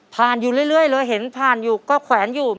อยู่เรื่อยเลยเห็นผ่านอยู่ก็แขวนอยู่